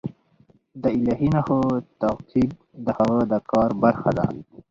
د الهي نښو تعقیب د هغه د کار برخه ده.